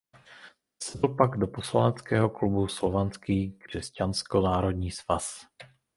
Zasedl pak do poslaneckého klubu Slovanský křesťansko národní svaz.